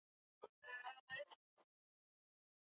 Kupe walio salama hubeba vimelea vya maambukizi